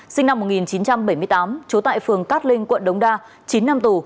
sinh năm một nghìn chín trăm bảy mươi tám trú tại phường cát linh quận đống đa chín năm tù